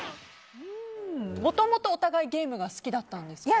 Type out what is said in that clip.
もともとお互いにゲームが好きだったんですか？